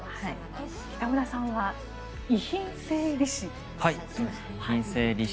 北村さんは遺品整理士。